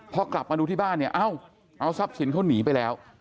พอกลับมาดูที่บ้านเนี่ยเอ้าเอาทรัพย์สินเขาหนีไปแล้ว